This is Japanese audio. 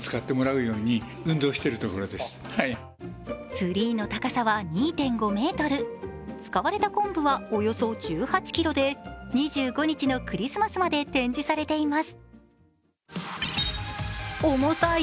ツリーの高さは２．５ｍ使われた昆布はおよそ１８ｋｇで２５日のクリスマスまで展示されています。